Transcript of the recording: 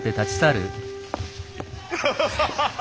ハハハハハ。